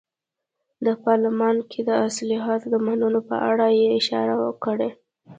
د پارلمان کې د اصلاحاتو د منلو په اړه یې اشاره کړې.